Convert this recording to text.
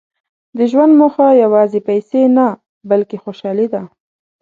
• د ژوند موخه یوازې پیسې نه، بلکې خوشالي ده.